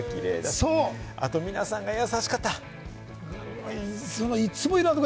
あと皆さんが優しかった。